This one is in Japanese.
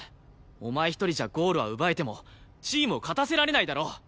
お前一人じゃゴールは奪えてもチームを勝たせられないだろ！